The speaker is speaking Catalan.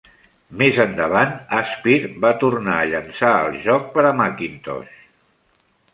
Més endavant Aspyr va tornar a llançar el joc per a Macintosh.